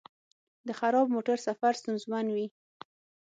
د خراب موټر سفر ستونزمن وي.